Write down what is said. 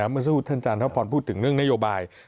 เมื่อสู่ท่านจานท้าพรพูดถึงเรื่องนโยบาย